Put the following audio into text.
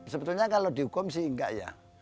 sebetulnya kalau dihukum sih enggak ya